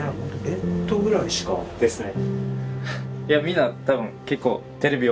ベッドぐらいしか。ですね。